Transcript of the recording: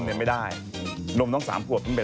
นมเนี่ยไม่ได้นมต้อง๓กว่าเพิ่งไปแล้ว